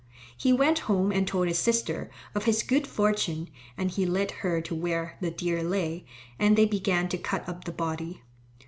He went home and told his sister of his good fortune, and he led her to where the deer lay, and they began to cut up the body.